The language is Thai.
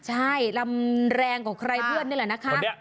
ใช่ลำแรงกว่าใครเพื่อนนี่แหละนะคะ